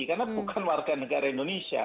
karena bukan warganegara indonesia